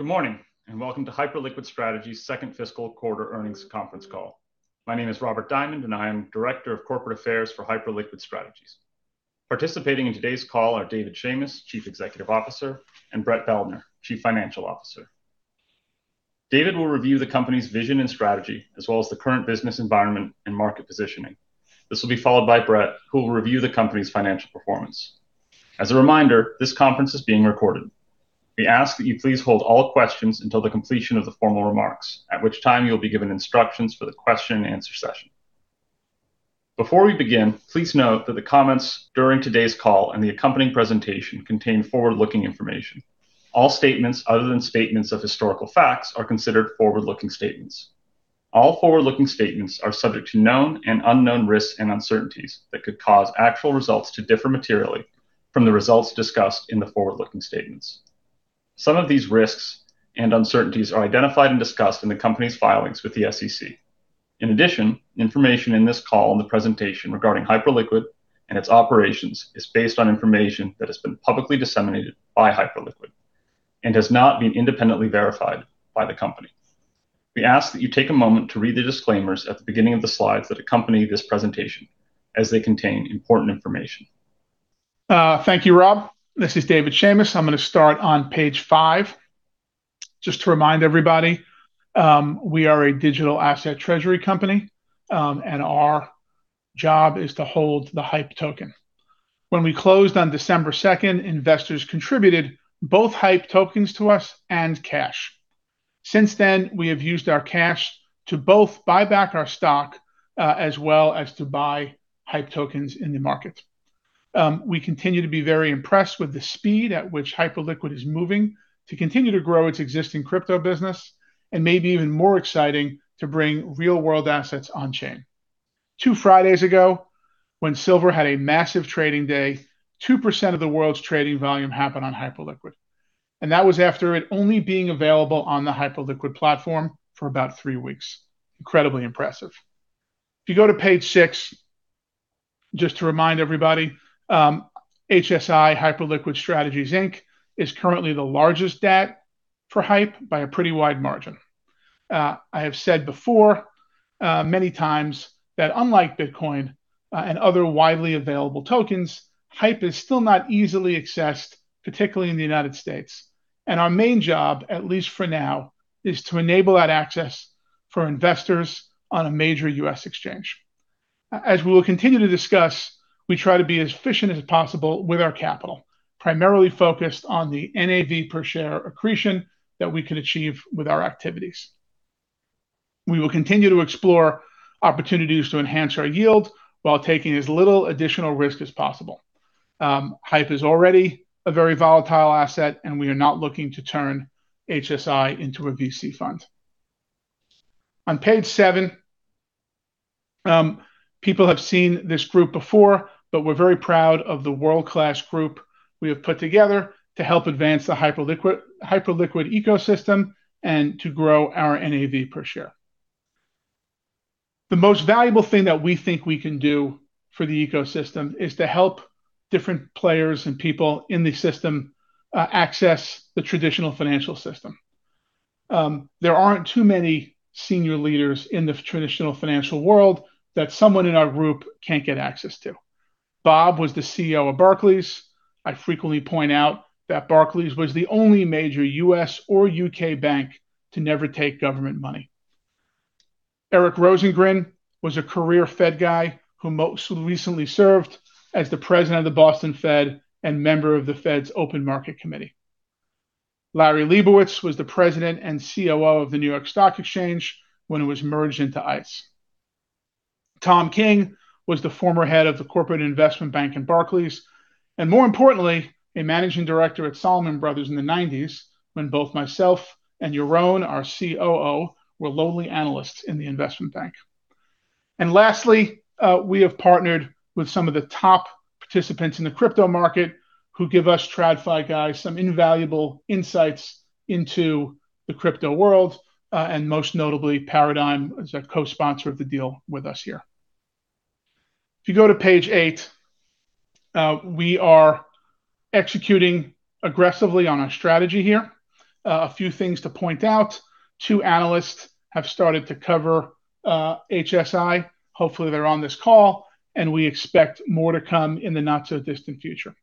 Good morning, and welcome to Hyperliquid Strategies Second Fiscal Quarter Earnings Conference Call. My name is Robert Diamond, and I am Director of Corporate Affairs for Hyperliquid Strategies. Participating in today's call are David Schamis, Chief Executive Officer, and Brett Beldner, Chief Financial Officer. David will review the company's vision and strategy, as well as the current business environment and market positioning. This will be followed by Brett, who will review the company's financial performance. As a reminder, this conference is being recorded. We ask that you please hold all questions until the completion of the formal remarks, at which time you'll be given instructions for the question and answer session. Before we begin, please note that the comments during today's call and the accompanying presentation contain forward-looking information. All statements other than statements of historical facts are considered forward-looking statements. All forward-looking statements are subject to known and unknown risks and uncertainties that could cause actual results to differ materially from the results discussed in the forward-looking statements. Some of these risks and uncertainties are identified and discussed in the company's filings with the SEC. In addition, information in this call and the presentation regarding Hyperliquid and its operations is based on information that has been publicly disseminated by Hyperliquid and has not been independently verified by the company. We ask that you take a moment to read the disclaimers at the beginning of the slides that accompany this presentation, as they contain important information. Thank you, Rob. This is David Schamis. I'm gonna start on Page 5. Just to remind everybody, we are a digital asset treasury company, and our job is to hold the HYPE token. When we closed on December second, investors contributed both HYPE tokens to us and cash. Since then, we have used our cash to both buy back our stock, as well as to buy HYPE tokens in the market. We continue to be very impressed with the speed at which Hyperliquid is moving to continue to grow its existing crypto business, and maybe even more exciting, to bring real-world assets on chain. Two Fridays ago, when silver had a massive trading day, 2% of the world's trading volume happened on Hyperliquid, and that was after it only being available on the Hyperliquid platform for about three weeks. Incredibly impressive. If you go to Page 6, just to remind everybody, HSI, Hyperliquid Strategies Inc., is currently the largest DAT for HYPE by a pretty wide margin. I have said before, many times that unlike Bitcoin, and other widely available tokens, HYPE is still not easily accessed, particularly in the United States, and our main job, at least for now, is to enable that access for investors on a major U.S. exchange. As we will continue to discuss, we try to be as efficient as possible with our capital, primarily focused on the NAV per share accretion that we can achieve with our activities. We will continue to explore opportunities to enhance our yield while taking as little additional risk as possible. HYPE is already a very volatile asset, and we are not looking to turn HSI into a VC fund. On Page 7, people have seen this group before, but we're very proud of the world-class group we have put together to help advance the Hyperliquid, Hyperliquid ecosystem and to grow our NAV per share. The most valuable thing that we think we can do for the ecosystem is to help different players and people in the system access the traditional financial system. There aren't too many senior leaders in the traditional financial world that someone in our group can't get access to. Bob was the CEO of Barclays. I frequently point out that Barclays was the only major U.S. or U.K. bank to never take government money. Eric Rosengren was a career Fed guy who most recently served as the president of the Boston Fed and member of the Fed's Open Market Committee. Larry Leibowitz was the President and COO of the New York Stock Exchange when it was merged into ICE. Tom King was the former head of the corporate investment bank in Barclays, and more importantly, a managing director at Salomon Brothers in the nineties, when both myself and Jeroen, our COO, were lowly analysts in the investment bank. And lastly, we have partnered with some of the top participants in the crypto market who give us TradFi guys some invaluable insights into the crypto world, and most notably, Paradigm is a co-sponsor of the deal with us here. If you go to Page 8, we are executing aggressively on our strategy here. A few things to point out, two analysts have started to cover HSI. Hopefully, they're on this call, and we expect more to come in the not-so-distant future.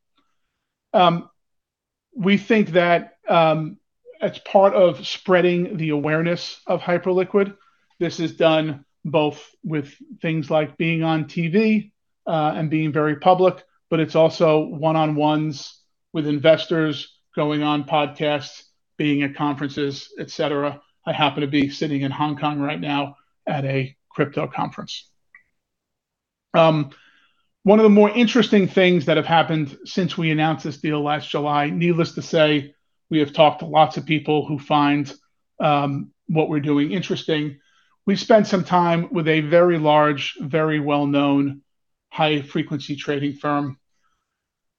We think that, as part of spreading the awareness of Hyperliquid, this is done both with things like being on TV, and being very public, but it's also one-on-ones with investors, going on podcasts, being at conferences, et cetera. I happen to be sitting in Hong Kong right now at a crypto conference. One of the more interesting things that have happened since we announced this deal last July, needless to say, we have talked to lots of people who find what we're doing interesting. We've spent some time with a very large, very well-known high-frequency trading firm,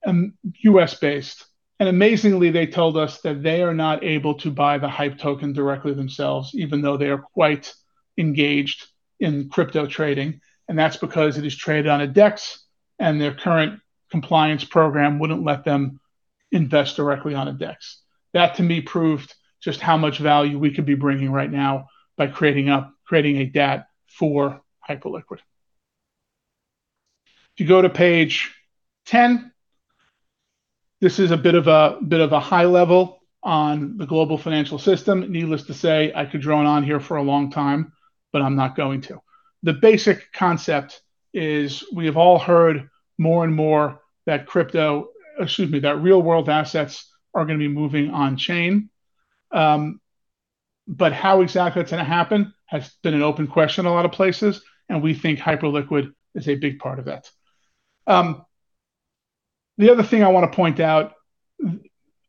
U.S.-based, and amazingly, they told us that they are not able to buy the HYPE token directly themselves, even though they are quite engaged in crypto trading, and that's because it is traded on a DEX-... and their current compliance program wouldn't let them invest directly on a DEX. That, to me, proved just how much value we could be bringing right now by creating a DAT for Hyperliquid. If you go to Page 10, this is a bit of a, bit of a high level on the global financial system. Needless to say, I could drone on here for a long time, but I'm not going to. The basic concept is we have all heard more and more that crypto, excuse me, that real world assets are gonna be moving on-chain. But how exactly that's gonna happen has been an open question in a lot of places, and we think Hyperliquid is a big part of that. The other thing I want to point out,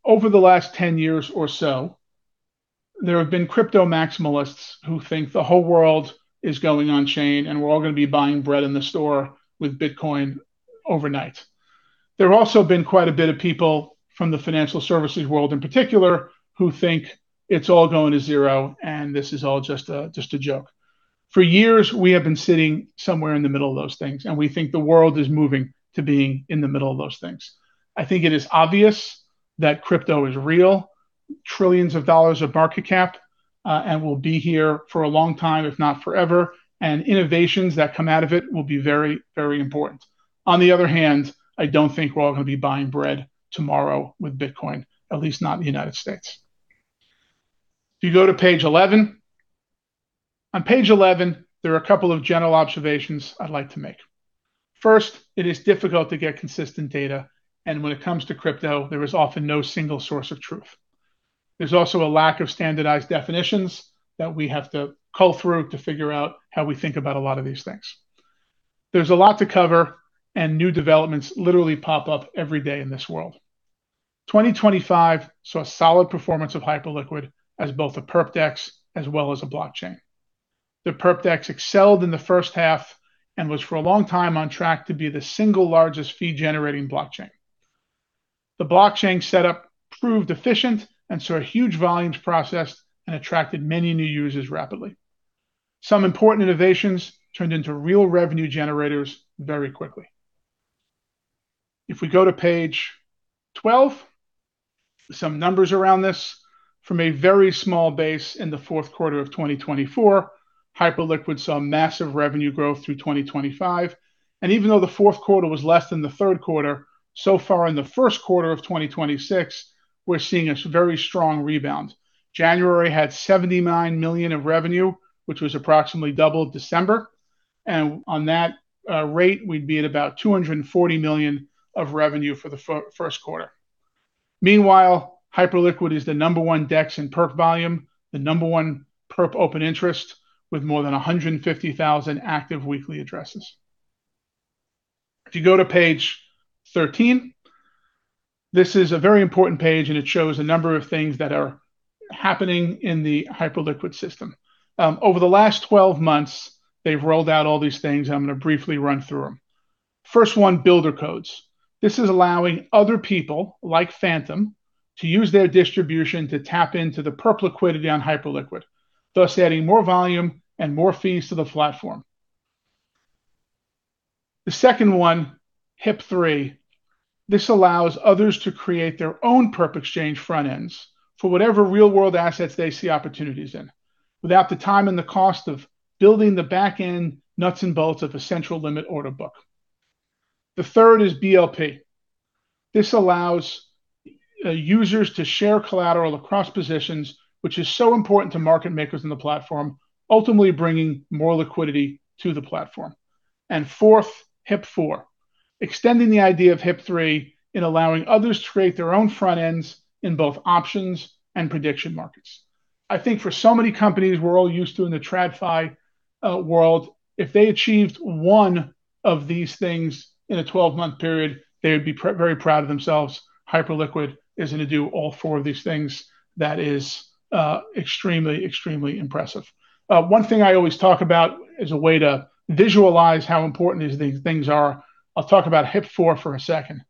over the last 10 years or so, there have been crypto maximalists who think the whole world is going on-chain, and we're all gonna be buying bread in the store with Bitcoin overnight. There have also been quite a bit of people from the financial services world in particular, who think it's all going to zero, and this is all just a, just a joke. For years, we have been sitting somewhere in the middle of those things, and we think the world is moving to being in the middle of those things. I think it is obvious that crypto is real, trillions of dollars of market cap, and will be here for a long time, if not forever, and innovations that come out of it will be very, very important. On the other hand, I don't think we're all gonna be buying bread tomorrow with Bitcoin, at least not in the United States. If you go to Page 11. On Page 11, there are a couple of general observations I'd like to make. First, it is difficult to get consistent data, and when it comes to crypto, there is often no single source of truth. There's also a lack of standardized definitions that we have to cull through to figure out how we think about a lot of these things. There's a lot to cover, and new developments literally pop up every day in this world. 2025 saw solid performance of Hyperliquid as both a perp DEX as well as a blockchain. The perp DEX excelled in the first half and was, for a long time, on track to be the single largest fee-generating blockchain. The blockchain setup proved efficient and saw huge volumes processed and attracted many new users rapidly. Some important innovations turned into real revenue generators very quickly. If we go to Page 12, some numbers around this. From a very small base in the fourth quarter of 2024, Hyperliquid saw massive revenue growth through 2025, and even though the fourth quarter was less than the third quarter, so far in the first quarter of 2026, we're seeing a very strong rebound. January had $79 million of revenue, which was approximately double December, and on that rate, we'd be at about $240 million of revenue for the first quarter. Meanwhile, Hyperliquid is the number one DEX in perp volume, the number one perp open interest, with more than 150,000 active weekly addresses. If you go to page 13, this is a very important page, and it shows a number of things that are happening in the Hyperliquid system. Over the last 12 months, they've rolled out all these things, and I'm gonna briefly run through them. First one, Builder Codes. This is allowing other people, like Phantom, to use their distribution to tap into the perp liquidity on Hyperliquid, thus adding more volume and more fees to the platform. The second one, HIP-3. This allows others to create their own perp exchange front ends for whatever real-world assets they see opportunities in, without the time and the cost of building the back-end nuts and bolts of a central limit order book. The third is HLP. This allows users to share collateral across positions, which is so important to market makers in the platform, ultimately bringing more liquidity to the platform. And fourth, HIP-4, extending the idea of HIP-3 in allowing others to create their own front ends in both options and prediction markets. I think for so many companies we're all used to in the Tradfi world, if they achieved one of these things in a 12-month period, they would be very proud of themselves. Hyperliquid is gonna do all four of these things. That is extremely, extremely impressive. One thing I always talk about as a way to visualize how important these, these things are, I'll talk about HIP-4 for a second.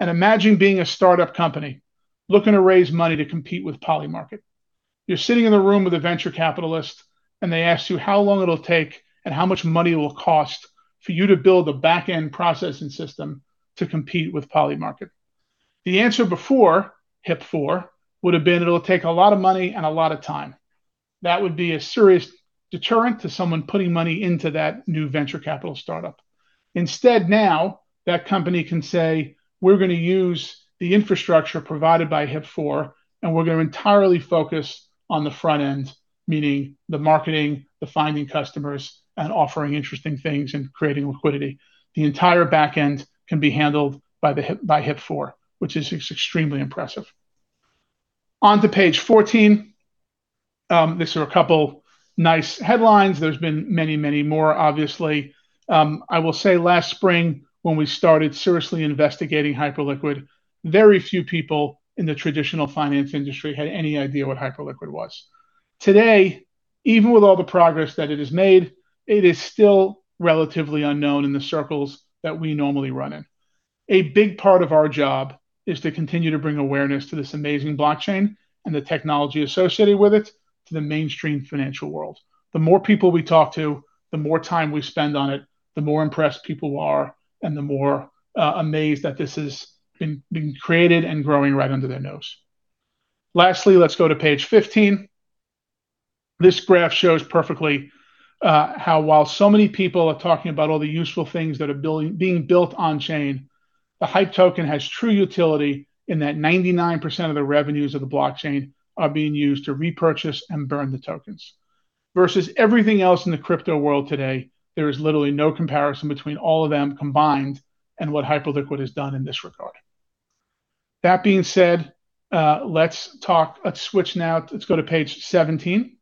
And imagine being a startup company looking to raise money to compete with Polymarket. You're sitting in a room with a venture capitalist, and they ask you how long it'll take and how much money it will cost for you to build a back-end processing system to compete with Polymarket. The answer before HIP-4 would have been: It'll take a lot of money and a lot of time. That would be a serious deterrent to someone putting money into that new venture capital startup. Instead, now, that company can say, "We're gonna use the infrastructure provided by HIP-4, and we're gonna entirely focus on the front end," meaning the marketing, the finding customers, and offering interesting things, and creating liquidity. The entire back end can be handled by the HIP, by HIP-4, which is extremely impressive. Onto Page 14. These are a couple nice headlines. There's been many, many more, obviously. I will say last spring, when we started seriously investigating Hyperliquid, very few people in the traditional finance industry had any idea what Hyperliquid was. Today, even with all the progress that it has made, it is still relatively unknown in the circles that we normally run in.... A big part of our job is to continue to bring awareness to this amazing blockchain and the technology associated with it to the mainstream financial world. The more people we talk to, the more time we spend on it, the more impressed people are, and the more amazed that this is being created and growing right under their nose. Lastly, let's go to Page 15. This graph shows perfectly how while so many people are talking about all the useful things that are being built on chain, the HYPE token has true utility in that 99% of the revenues of the blockchain are being used to repurchase and burn the tokens. Versus everything else in the crypto world today, there is literally no comparison between all of them combined and what Hyperliquid has done in this regard. That being said, let's switch now. Let's go to Page 17.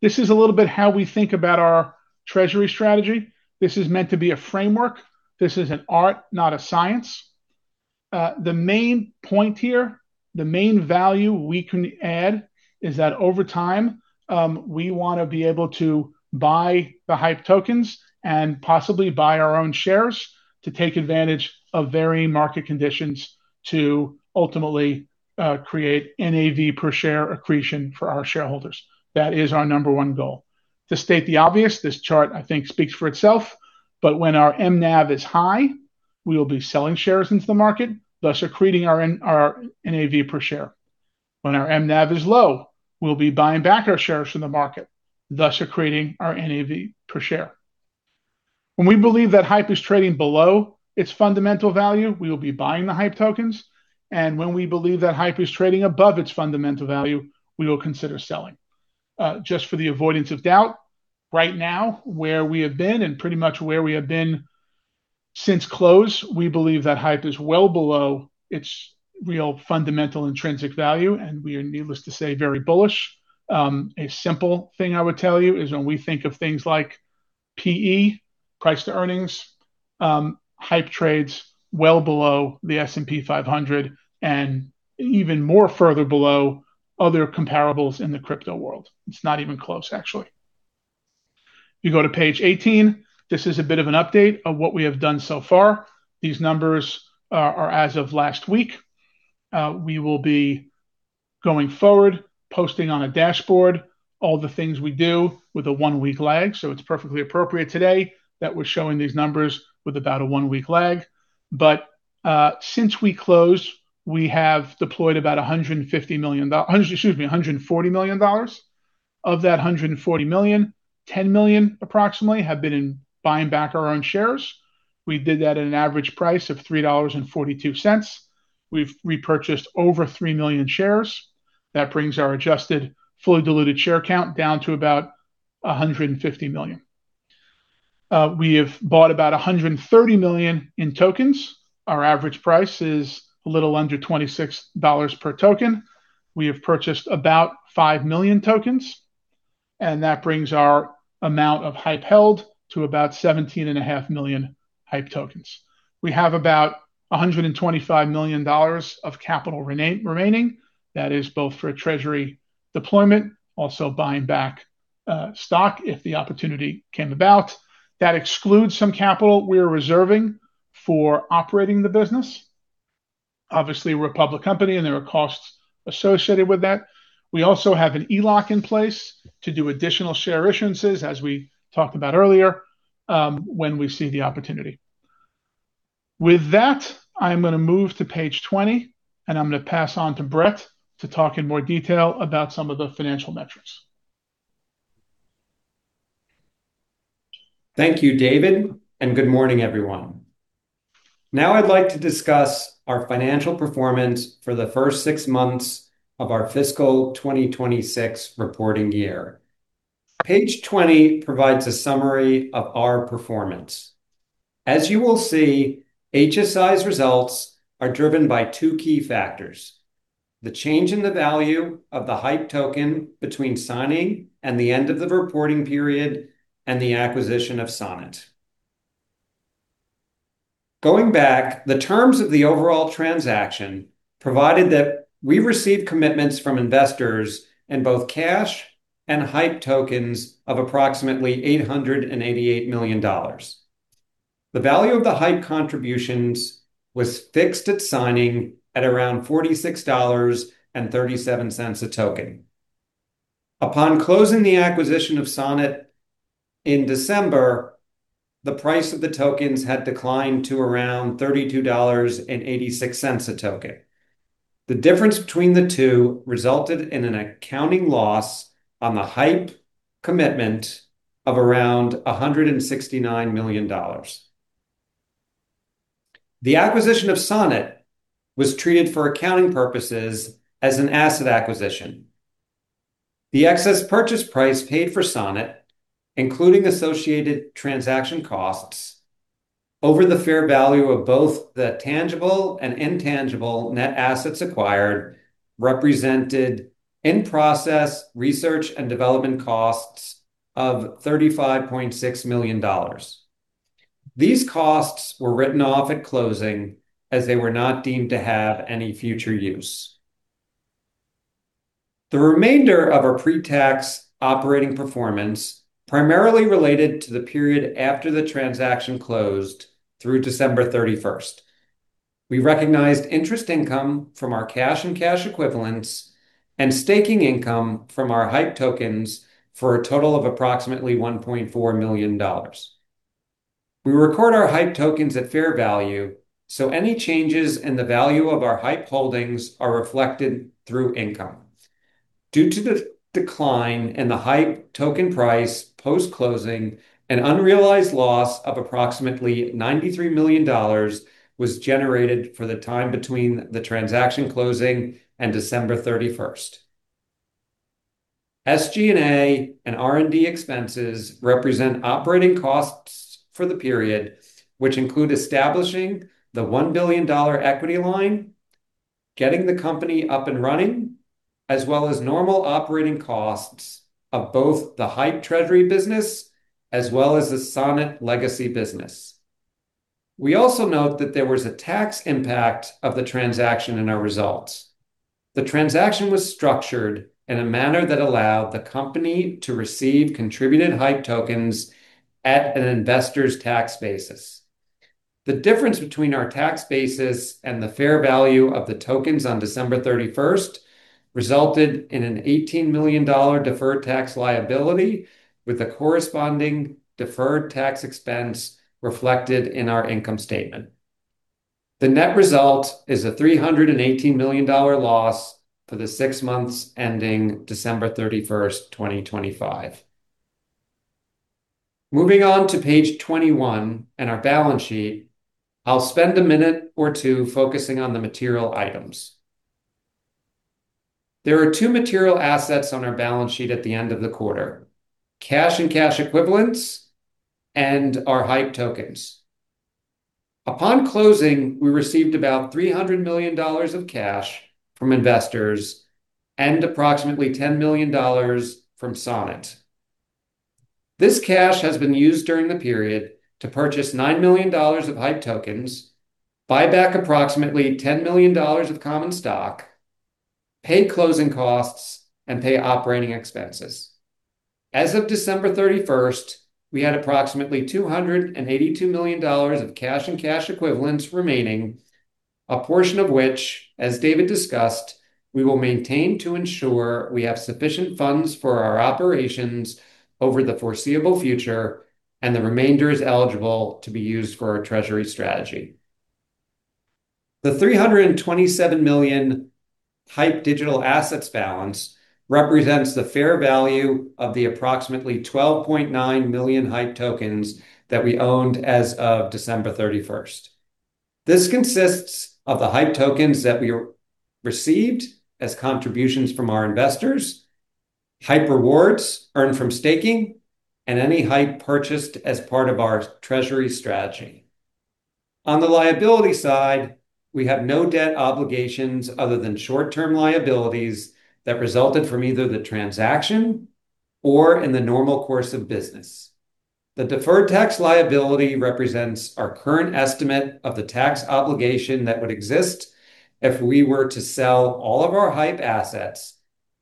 This is a little bit how we think about our treasury strategy. This is meant to be a framework. This is an art, not a science. The main point here, the main value we can add is that over time, we want to be able to buy the HYPE tokens and possibly buy our own shares to take advantage of varying market conditions to ultimately create NAV per share accretion for our shareholders. That is our number one goal. To state the obvious, this chart, I think, speaks for itself, but when our MNAV is high, we will be selling shares into the market, thus accreting our NAV per share. When our MNAV is low, we'll be buying back our shares from the market, thus accreting our NAV per share. When we believe that HYPE is trading below its fundamental value, we will be buying the HYPE tokens, and when we believe that HYPE is trading above its fundamental value, we will consider selling. Just for the avoidance of doubt, right now, where we have been, and pretty much where we have been since close, we believe that HYPE is well below its real fundamental intrinsic value, and we are, needless to say, very bullish. A simple thing I would tell you is when we think of things like PE, price to earnings, HYPE trades well below the S&P 500 and even more further below other comparables in the crypto world. It's not even close, actually. You go to Page 18. This is a bit of an update of what we have done so far. These numbers are as of last week. We will be going forward, posting on a dashboard, all the things we do with a one-week lag. So it's perfectly appropriate today that we're showing these numbers with about a one-week lag. But since we closed, we have deployed about $140 million. Of that $140 million, approximately $10 million have been in buying back our own shares. We did that at an average price of $3.42. We've repurchased over 3 million shares. That brings our adjusted fully diluted share count down to about 150 million. We have bought about $130 million in tokens. Our average price is a little under $26 per token. We have purchased about 5 million tokens, and that brings our amount of HYPE held to about 17.5 million HYPE tokens. We have about $125 million of capital remaining. That is both for a treasury deployment, also buying back, stock if the opportunity came about. That excludes some capital we are reserving for operating the business. Obviously, we're a public company, and there are costs associated with that. We also have an ELOC in place to do additional share issuances, as we talked about earlier, when we see the opportunity. With that, I'm gonna move to Page 20, and I'm gonna pass on to Brett to talk in more detail about some of the financial metrics. Thank you, David, and good morning, everyone. Now I'd like to discuss our financial performance for the first six months of our fiscal 2026 reporting year. Page 20 provides a summary of our performance. As you will see, HSI's results are driven by two key factors: the change in the value of the HYPE token between signing and the end of the reporting period, and the acquisition of Sonnet. Going back, the terms of the overall transaction provided that we received commitments from investors in both cash and HYPE tokens of approximately $888 million. The value of the HYPE contributions was fixed at signing at around $46.37 a token. Upon closing the acquisition of Sonnet in December, the price of the tokens had declined to around $32.86 a token. The difference between the two resulted in an accounting loss on the HYPE commitment of around $169 million. The acquisition of Sonnet was treated for accounting purposes as an asset acquisition. The excess purchase price paid for Sonnet, including associated transaction costs over the fair value of both the tangible and intangible net assets acquired, represented in-process research and development costs of $35.6 million. These costs were written off at closing, as they were not deemed to have any future use....The remainder of our pre-tax operating performance primarily related to the period after the transaction closed through December 31. We recognized interest income from our cash and cash equivalents and staking income from our HYPE tokens for a total of approximately $1.4 million. We record our HYPE tokens at fair value, so any changes in the value of our HYPE holdings are reflected through income. Due to the decline in the HYPE token price post-closing, an unrealized loss of approximately $93 million was generated for the time between the transaction closing and December thirty-first. SG&A and R&D expenses represent operating costs for the period, which include establishing the $1 billion equity line, getting the company up and running, as well as normal operating costs of both the HYPE treasury business as well as the Sonnet legacy business. We also note that there was a tax impact of the transaction in our results. The transaction was structured in a manner that allowed the company to receive contributed HYPE tokens at an investor's tax basis. The difference between our tax basis and the fair value of the tokens on December 31st resulted in an $18 million deferred tax liability, with a corresponding deferred tax expense reflected in our income statement. The net result is a $318 million loss for the six months ending December 31, 2025. Moving on to Page 21 and our balance sheet, I'll spend a minute or two focusing on the material items. There are two material assets on our balance sheet at the end of the quarter: cash and cash equivalents and our HYPE tokens. Upon closing, we received about $300 million of cash from investors and approximately $10 million from Sonnet. This cash has been used during the period to purchase $9 million of HYPE tokens, buy back approximately $10 million of common stock, pay closing costs, and pay operating expenses. As of December 31, we had approximately $282 million of cash and cash equivalents remaining, a portion of which, as David discussed, we will maintain to ensure we have sufficient funds for our operations over the foreseeable future, and the remainder is eligible to be used for our treasury strategy. The $327 million HYPE digital assets balance represents the fair value of the approximately 12.9 million HYPE tokens that we owned as of December 31. This consists of the HYPE tokens that we received as contributions from our investors, HYPE rewards earned from staking, and any HYPE purchased as part of our treasury strategy. On the liability side, we have no debt obligations other than short-term liabilities that resulted from either the transaction or in the normal course of business. The deferred tax liability represents our current estimate of the tax obligation that would exist if we were to sell all of our HYPE assets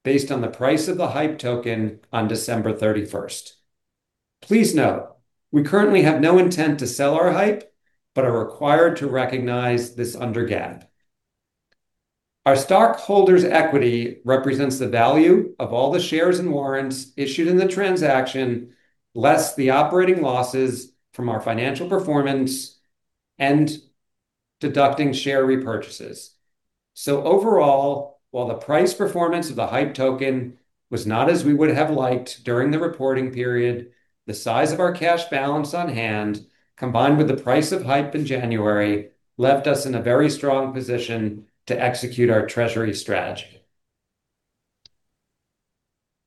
based on the price of the HYPE token on December 31. Please note, we currently have no intent to sell our HYPE, but are required to recognize this under GAAP. Our stockholders' equity represents the value of all the shares and warrants issued in the transaction, less the operating losses from our financial performance and deducting share repurchases. So overall, while the price performance of the HYPE token was not as we would have liked during the reporting period, the size of our cash balance on hand, combined with the price of HYPE in January, left us in a very strong position to execute our treasury strategy.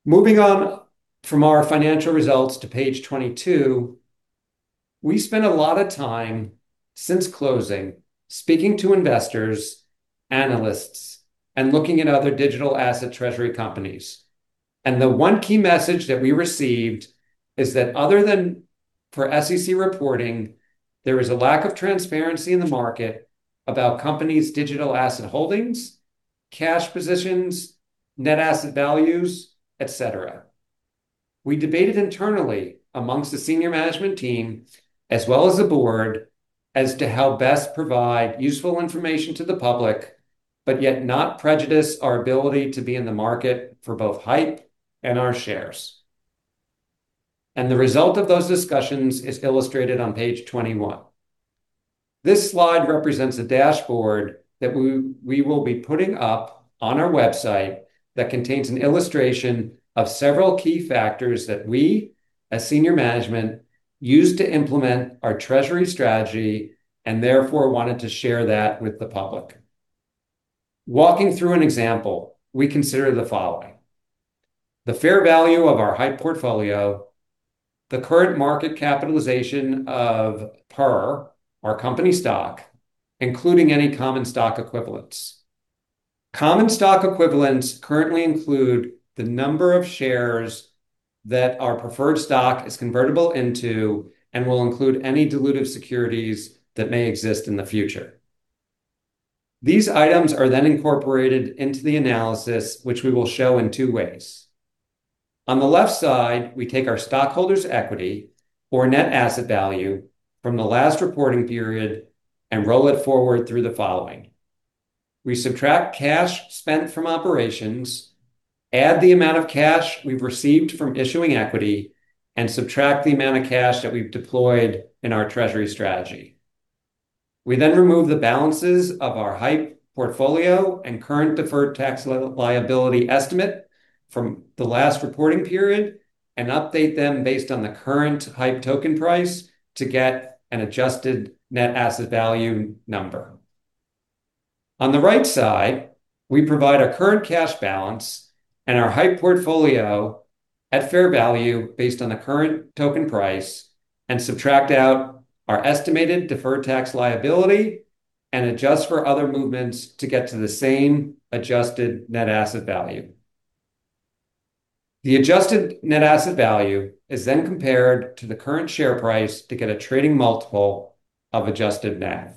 Moving on from our financial results to Page 22, we spent a lot of time since closing, speaking to investors, analysts, and looking at other digital asset treasury companies. The one key message that we received is that other than for SEC reporting, there is a lack of transparency in the market about companies' digital asset holdings, cash positions, net asset values, et cetera. We debated internally amongst the senior management team, as well as the board, as to how best provide useful information to the public, but yet not prejudice our ability to be in the market for both HYPE and our shares. The result of those discussions is illustrated on Page 21. This slide represents a dashboard that we, we will be putting up on our website that contains an illustration of several key factors that we, as senior management, use to implement our treasury strategy, and therefore wanted to share that with the public. Walking through an example, we consider the following: the fair value of our HYPE portfolio, the current market capitalization of PER, our company stock, including any common stock equivalents. Common stock equivalents currently include the number of shares that our preferred stock is convertible into and will include any dilutive securities that may exist in the future. These items are then incorporated into the analysis, which we will show in two ways. On the left side, we take our stockholders' equity or net asset value from the last reporting period and roll it forward through the following: We subtract cash spent from operations, add the amount of cash we've received from issuing equity, and subtract the amount of cash that we've deployed in our treasury strategy. We then remove the balances of our HYPE portfolio and current deferred tax liability estimate from the last reporting period and update them based on the current HYPE token price to get an adjusted net asset value number. On the right side, we provide our current cash balance and our HYPE portfolio at fair value based on the current token price, and subtract out our estimated deferred tax liability and adjust for other movements to get to the same adjusted net asset value. The adjusted net asset value is then compared to the current share price to get a trading multiple of adjusted NAV,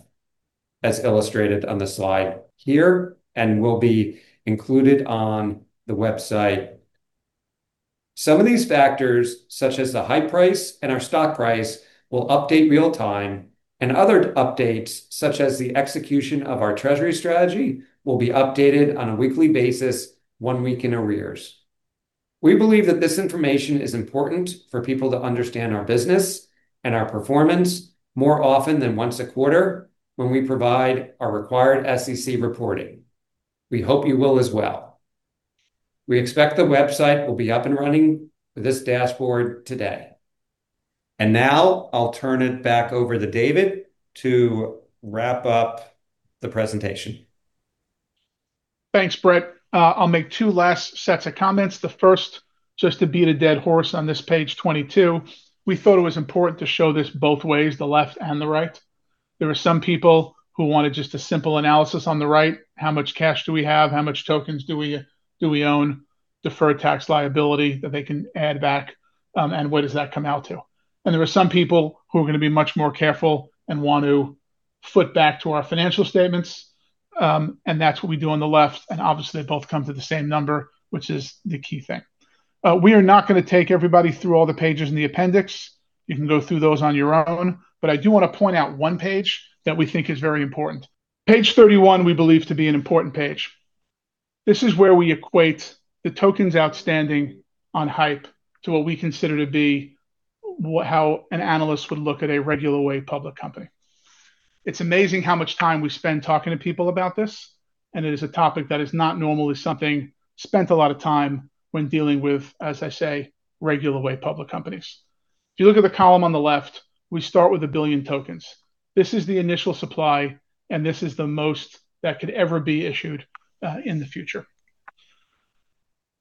as illustrated on the slide here and will be included on the website. Some of these factors, such as the HYPE price and our stock price, will update real time, and other updates, such as the execution of our treasury strategy, will be updated on a weekly basis, one week in arrears. We believe that this information is important for people to understand our business and our performance more often than once a quarter, when we provide our required SEC reporting. We hope you will as well. We expect the website will be up and running with this dashboard today. Now I'll turn it back over to David to wrap up the presentation. Thanks, Brett. I'll make two last sets of comments. The first, just to beat a dead horse on this Page 22, we thought it was important to show this both ways, the left and the right. There were some people who wanted just a simple analysis on the right: How much cash do we have? How much tokens do we, do we own? Deferred tax liability that they can add back, and what does that come out to? And there are some people who are gonna be much more careful and want to foot back to our financial statements, and that's what we do on the left, and obviously, they both come to the same number, which is the key thing. We are not gonna take everybody through all the pages in the appendix. You can go through those on your own, but I do want to point out one page that we think is very important. Page 31, we believe to be an important page. This is where we equate the tokens outstanding on HYPE to what we consider to be how an analyst would look at a regular way public company. It's amazing how much time we spend talking to people about this, and it is a topic that is not normally something spent a lot of time when dealing with, as I say, regular way public companies. If you look at the column on the left, we start with 1 billion tokens. This is the initial supply, and this is the most that could ever be issued in the future.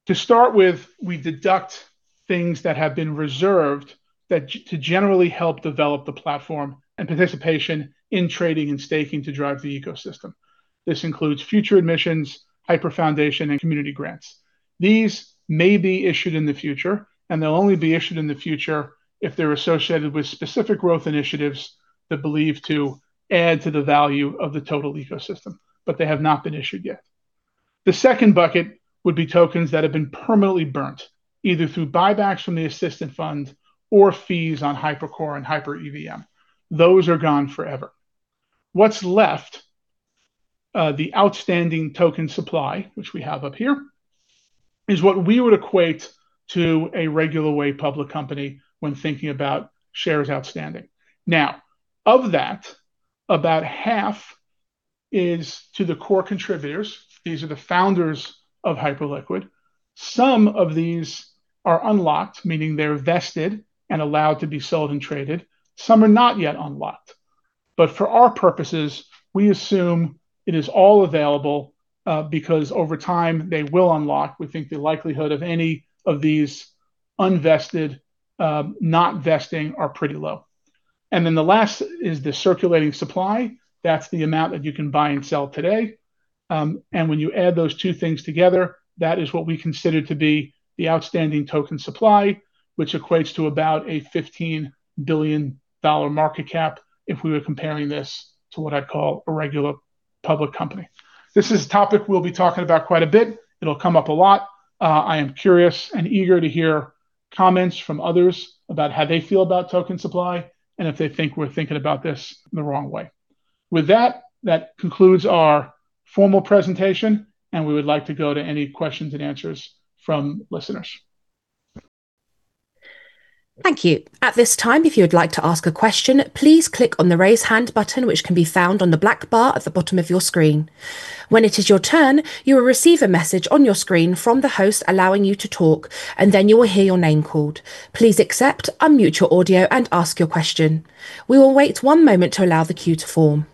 To start with, we deduct things that have been reserved that to generally help develop the platform and participation in trading and staking to drive the ecosystem. This includes future emissions, Hyper Foundation, and community grants. These may be issued in the future, and they'll only be issued in the future if they're associated with specific growth initiatives that believe to add to the value of the total ecosystem, but they have not been issued yet. The second bucket would be tokens that have been permanently burned, either through buybacks from the assistant fund or fees on HyperCore and HyperEVM. Those are gone forever. What's left, the outstanding token supply, which we have up here, is what we would equate to a regular way public company when thinking about shares outstanding. Now, of that, about half is to the core contributors. These are the founders of Hyperliquid. Some of these are unlocked, meaning they're vested and allowed to be sold and traded. Some are not yet unlocked, but for our purposes, we assume it is all available, because over time, they will unlock. We think the likelihood of any of these unvested, not vesting are pretty low. And then the last is the circulating supply. That's the amount that you can buy and sell today. And when you add those two things together, that is what we consider to be the outstanding token supply, which equates to about a $15 billion market cap if we were comparing this to what I'd call a regular public company. This is a topic we'll be talking about quite a bit. It'll come up a lot. I am curious and eager to hear comments from others about how they feel about token supply and if they think we're thinking about this the wrong way. With that, that concludes our formal presentation, and we would like to go to any questions and answers from listeners. Thank you. At this time, if you would like to ask a question, please click on the Raise Hand button, which can be found on the black bar at the bottom of your screen. When it is your turn, you will receive a message on your screen from the host, allowing you to talk, and then you will hear your name called. Please accept, unmute your audio, and ask your question. We will wait one moment to allow the queue to form.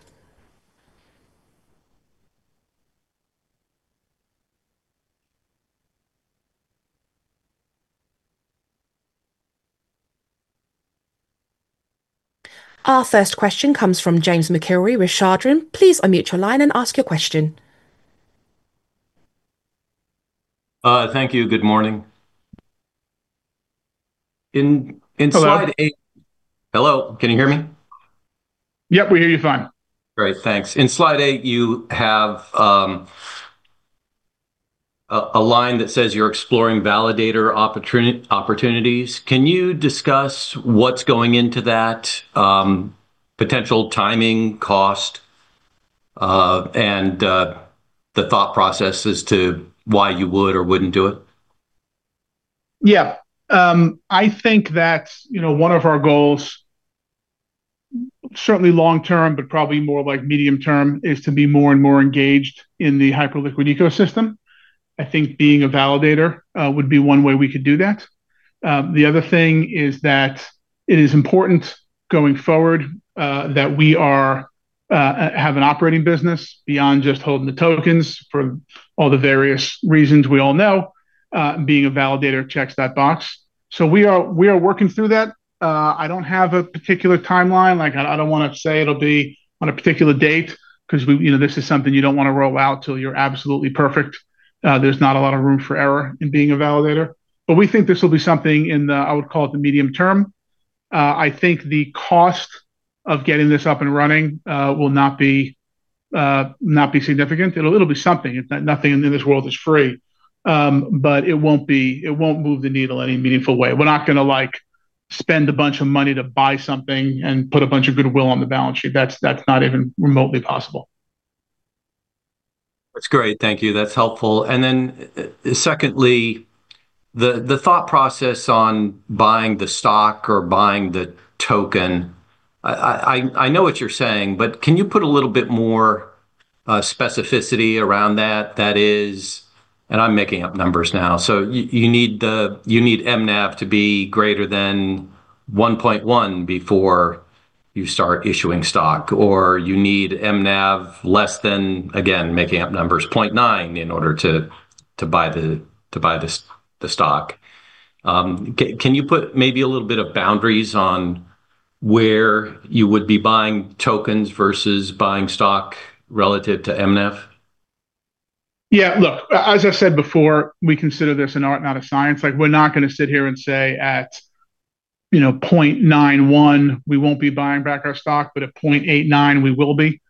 Our first question comes from James McIlree with Chardan. Please unmute your line and ask your question.... Thank you. Good morning. In slide eight- Hello. Hello, can you hear me? Yep, we hear you fine. Great, thanks. In slide eight, you have a line that says you're exploring validator opportunities. Can you discuss what's going into that, potential timing, cost, and the thought process as to why you would or wouldn't do it? Yeah. I think that's, you know, one of our goals, certainly long term, but probably more like medium term, is to be more and more engaged in the Hyperliquid ecosystem. I think being a validator would be one way we could do that. The other thing is that it is important going forward that we are have an operating business beyond just holding the tokens for all the various reasons we all know, being a validator checks that box. So we are, we are working through that. I don't have a particular timeline. Like, I, I don't wanna say it'll be on a particular date, 'cause we, you know, this is something you don't want to roll out till you're absolutely perfect. There's not a lot of room for error in being a validator, but we think this will be something in the... I would call it the medium term. I think the cost of getting this up and running will not be significant. It'll be something. It's not, nothing in this world is free. But it won't be, it won't move the needle any meaningful way. We're not gonna, lik e, spend a bunch of money to buy something and put a bunch of goodwill on the balance sheet. That's not even remotely possible. That's great. Thank you. That's helpful. And then, secondly, the thought process on buying the stock or buying the token, I know what you're saying, but can you put a little bit more specificity around that? That is, and I'm making up numbers now, so you need MNAV to be greater than 1.1 before you start issuing stock, or you need MNAV less than, again, making up numbers, 0.9, in order to buy the stock. Can you put maybe a little bit of boundaries on where you would be buying tokens versus buying stock relative to MNAV? Yeah, look, as I said before, we consider this an art, not a science. Like, we're not gonna sit here and say, at, you know, 0.91, we won't be buying back our stock, but at 0.89, we will be.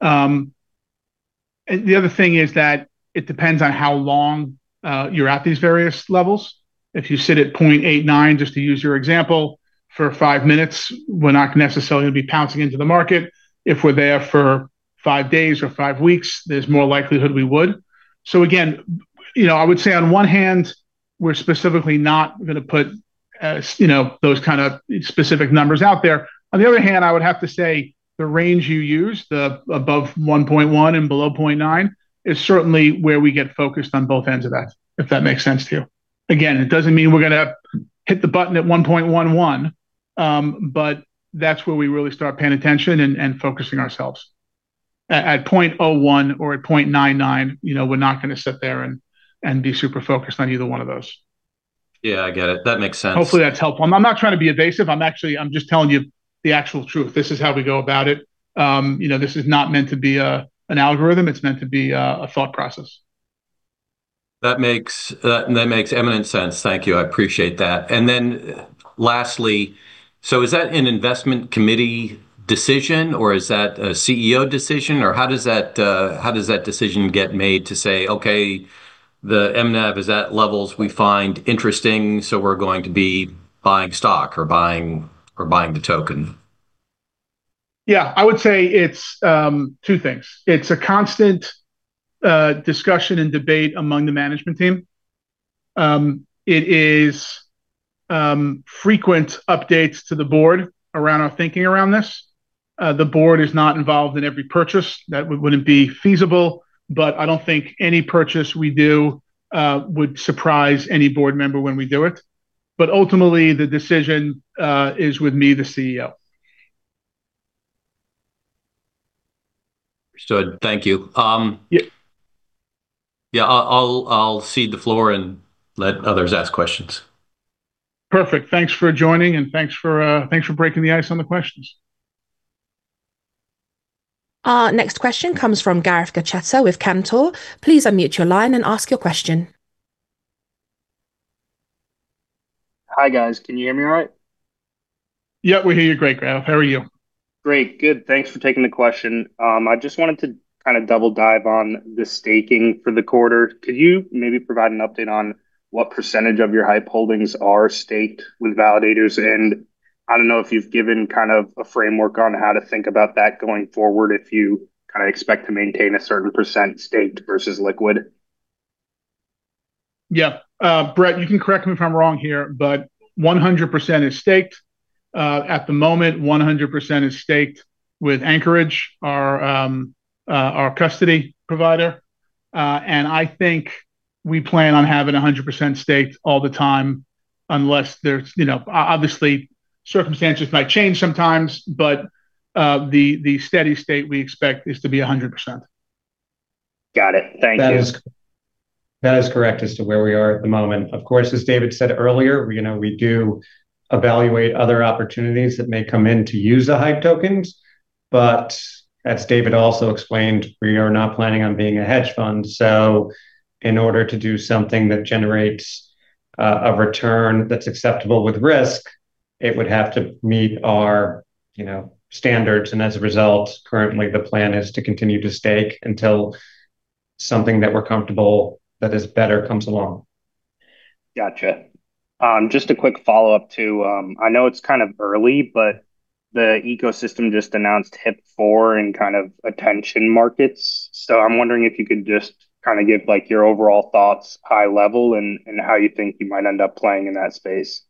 And the other thing is that it depends on how long you're at these various levels. If you sit at 0.89, just to use your example, for five minutes, we're not necessarily gonna be pouncing into the market. If we're there for five days or five weeks, there's more likelihood we would. So again, you know, I would say on one hand, we're specifically not gonna put, you know, those kind of specific numbers out there. On the other hand, I would have to say the range you use, the above 1.1 and below 0.9, is certainly where we get focused on both ends of that, if that makes sense to you. Again, it doesn't mean we're gonna hit the button at 1.11, but that's where we really start paying attention and focusing ourselves. At 0.01 or at 0.99, you know, we're not gonna sit there and be super focused on either one of those. Yeah, I get it. That makes sense. Hopefully, that's helpful. I'm not trying to be evasive. I'm actually just telling you the actual truth. This is how we go about it. You know, this is not meant to be an algorithm. It's meant to be a thought process. That makes, that makes eminent sense. Thank you. I appreciate that. And then lastly, so is that an investment committee decision, or is that a CEO decision, or how does that, how does that decision get made to say, "Okay, the MNAV is at levels we find interesting, so we're going to be buying stock or buying, or buying the token? Yeah. I would say it's two things. It's a constant discussion and debate among the management team. It is frequent updates to the board around our thinking around this. The board is not involved in every purchase. That wouldn't be feasible, but I don't think any purchase we do would surprise any board member when we do it. But ultimately, the decision is with me, the CEO. Understood. Thank you, Yeah. Yeah, I'll cede the floor and let others ask questions. Perfect. Thanks for joining, and thanks for breaking the ice on the questions. Our next question comes from Gareth Gacetta with Cantor. Please unmute your line and ask your question. Hi, guys. Can you hear me all right? Yeah, we hear you great, Gareth. How are you? Great, good. Thanks for taking the question. I just wanted to kind of double dive on the staking for the quarter. Could you maybe provide an update on what percentage of your HYPE holdings are staked with validators? And I don't know if you've given kind of a framework on how to think about that going forward, if you kind of expect to maintain a certain percent staked versus liquid. Yeah. Brett, you can correct me if I'm wrong here, but 100% is staked. At the moment, 100% is staked with Anchorage, our custody provider. And I think we plan on having a 100% staked all the time, unless there's, you know... Obviously, circumstances might change sometimes, but the steady state we expect is to be a 100%. Got it. Thank you. That is, that is correct as to where we are at the moment. Of course, as David said earlier, you know, we do evaluate other opportunities that may come in to use the HYPE tokens, but as David also explained, we are not planning on being a hedge fund. So in order to do something that generates a return that's acceptable with risk, it would have to meet our, you know, standards, and as a result, currently, the plan is to continue to stake until something that we're comfortable that is better comes along. Gotcha. Just a quick follow-up to, I know it's kind of early, but the ecosystem just announced HIP-4 and kind of prediction markets. So I'm wondering if you could just kind of give, like, your overall thoughts, high level, and, and how you think you might end up playing in that space.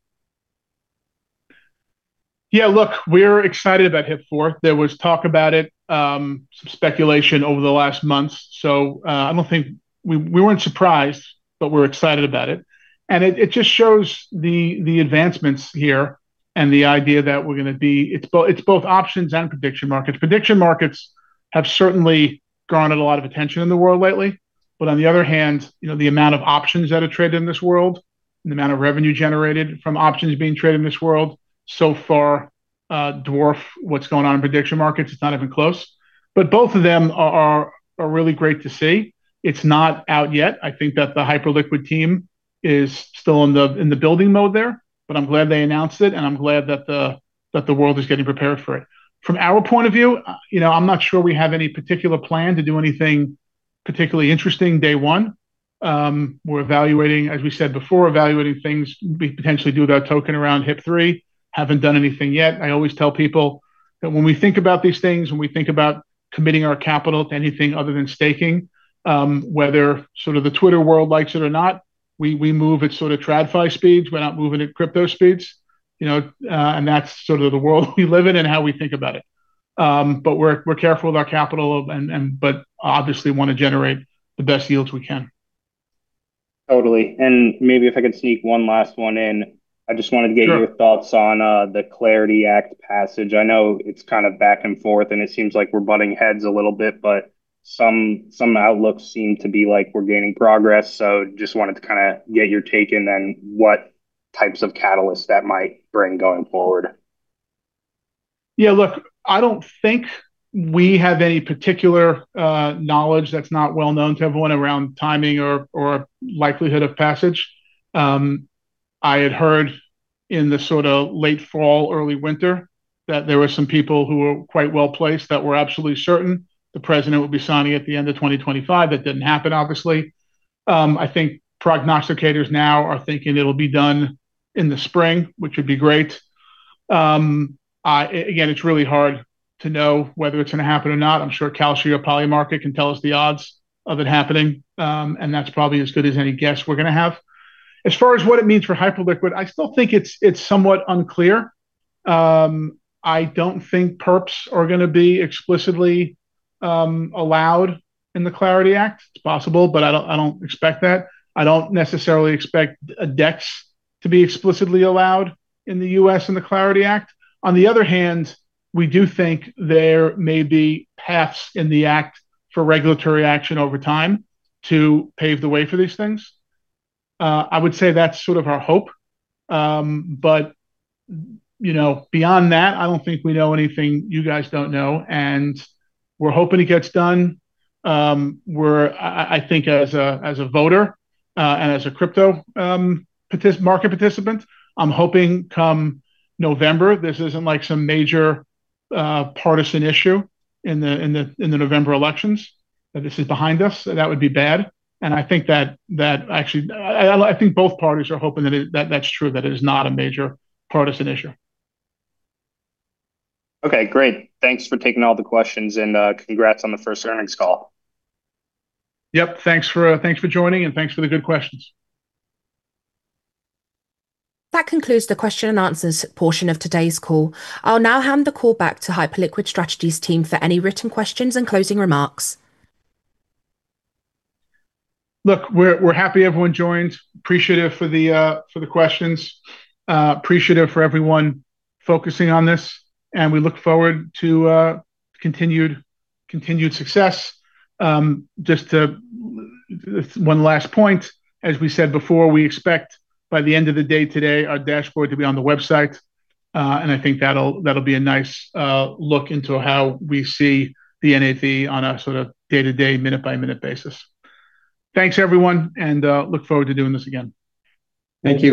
Yeah, look, we're excited about HIP-4. There was talk about it, some speculation over the last months. So, I don't think... We weren't surprised, but we're excited about it, and it just shows the advancements here and the idea that we're gonna be, it's both, it's both options and prediction markets. Prediction markets have certainly garnered a lot of attention in the world lately. But on the other hand, you know, the amount of options that are traded in this world and the amount of revenue generated from options being traded in this world so far, dwarf what's going on in prediction markets. It's not even close, but both of them are really great to see. It's not out yet. I think that the Hyperliquid team is still in the building mode there, but I'm glad they announced it, and I'm glad that the world is getting prepared for it. From our point of view, you know, I'm not sure we have any particular plan to do anything particularly interesting day one. We're evaluating, as we said before, evaluating things we potentially do with our token around HIP-3. Haven't done anything yet. I always tell people that when we think about these things, when we think about committing our capital to anything other than staking, whether sort of the Twitter world likes it or not, we move at sort of TradFi speeds. We're not moving at crypto speeds, you know, and that's sort of the world we live in and how we think about it. But we're careful with our capital, but obviously want to generate the best yields we can. Totally. Maybe if I could sneak one last one in. Sure. I just wanted to get your thoughts on the Clarity Act passage. I know it's kind of back and forth, and it seems like we're butting heads a little bit, but some outlooks seem to be like we're gaining progress. So just wanted to kinda get your take and then what types of catalysts that might bring going forward. Yeah, look, I don't think we have any particular knowledge that's not well known to everyone around timing or likelihood of passage. I had heard in the sort of late fall, early winter, that there were some people who were quite well-placed that were absolutely certain the president would be signing at the end of 2025. That didn't happen, obviously. I think prognosticators now are thinking it'll be done in the spring, which would be great. Again, it's really hard to know whether it's gonna happen or not. I'm sure Polymarket can tell us the odds of it happening, and that's probably as good as any guess we're gonna have. As far as what it means for Hyperliquid, I still think it's somewhat unclear. I don't think perps are gonna be explicitly allowed in the Clarity Act. It's possible, but I don't expect that. I don't necessarily expect a DEX to be explicitly allowed in the U.S. in the Clarity Act. On the other hand, we do think there may be paths in the act for regulatory action over time to pave the way for these things. I would say that's sort of our hope. But, you know, beyond that, I don't think we know anything you guys don't know, and we're hoping it gets done. I think as a voter and as a crypto market participant, I'm hoping come November, this isn't, like, some major partisan issue in the November elections, that this is behind us. That would be bad, and I think that actually I think both parties are hoping that that's true, that it is not a major partisan issue. Okay, great. Thanks for taking all the questions, and congrats on the first earnings call. Yep. Thanks for, thanks for joining, and thanks for the good questions. That concludes the question and answers portion of today's call. I'll now hand the call back to Hyperliquid Strategies team for any written questions and closing remarks. Look, we're happy everyone joined. Appreciative for the questions, appreciative for everyone focusing on this, and we look forward to continued success. Just to one last point, as we said before, we expect by the end of the day today, our dashboard to be on the website, and I think that'll be a nice look into how we see the NAV on a sort of day-to-day, minute-by-minute basis. Thanks, everyone, and look forward to doing this again. Thank you.